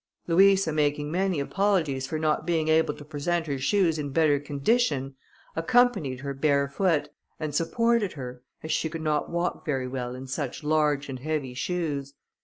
Louisa making many apologies for not being able to present her shoes in better condition, accompanied her barefoot, and supported her, as she could not walk very well in such large and heavy shoes.